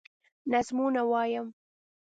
نظمونه وايم